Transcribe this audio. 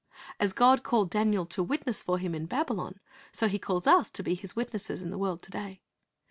' As God called Daniel to witness for Him in Babylon, so He calls us to be His witnesses in the world to da}'.